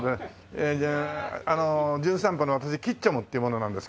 えーあの『じゅん散歩』の私吉四六っていう者なんですけども。